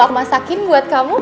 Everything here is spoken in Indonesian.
aku masakin buat kamu